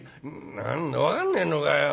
「何だ分かんねえのかよ。